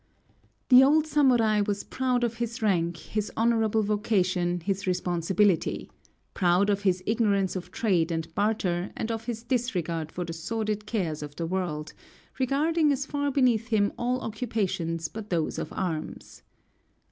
The old samurai was proud of his rank, his honorable vocation, his responsibility; proud of his ignorance of trade and barter and of his disregard for the sordid cares of the world, regarding as far beneath him all occupations but those of arms.